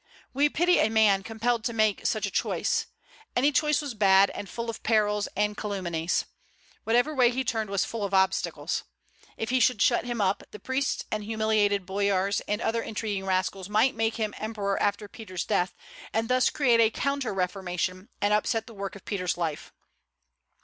We pity a man compelled to make such a choice. Any choice was bad, and full of perils and calumnies. Whatever way he turned was full of obstacles. If he should shut him up, the priests and humiliated boyars and other intriguing rascals might make him emperor after Peter's death, and thus create a counter reformation, and upset the work of Peter's life.